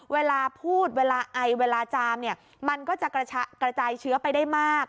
เวลาพูดเวลาไอเวลาจามเนี่ยมันก็จะกระจายเชื้อไปได้มาก